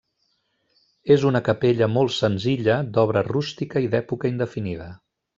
És una capella molt senzilla, d'obra rústica i d'època indefinida.